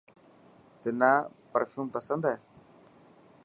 تنا پرفيوم پسند هي.